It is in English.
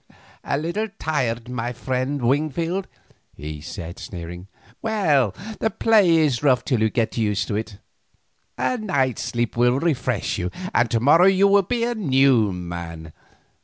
"A little tired, eh, friend Wingfield?" he said sneering. "Well, the play is rough till you get used to it. A night's sleep will refresh you, and to morrow you will be a new man.